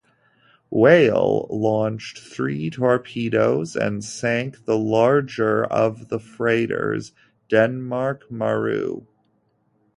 "Whale" launched three torpedoes and sank the larger of the freighters, "Denmark Maru".